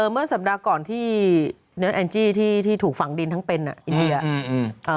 เมื่อสัปดาห์ก่อนที่เนื้อแอนจี้ที่ถูกฝังดินทั้งเป็นอินเดีย